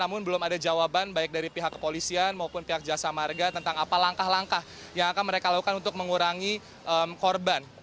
namun belum ada jawaban baik dari pihak kepolisian maupun pihak jasa marga tentang apa langkah langkah yang akan mereka lakukan untuk mengurangi korban